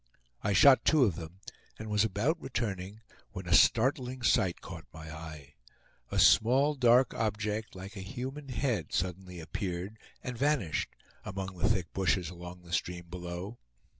I shot two of them, and was about returning, when a startling sight caught my eye. A small, dark object, like a human head, suddenly appeared, and vanished among the thick hushes along the stream below.